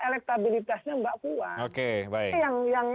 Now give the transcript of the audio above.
elektabilitasnya mbak puan